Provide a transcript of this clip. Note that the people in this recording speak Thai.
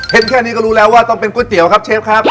แค่นี้ก็รู้แล้วว่าต้องเป็นก๋วยเตี๋ยวครับเชฟครับ